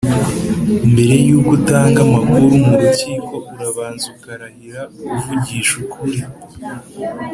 Mbere yuko utanga amakuru mu rukiko urabanza ukarahira ko uvugisha ukuri